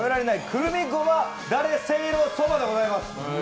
くるみごまだれせいろそばでございます。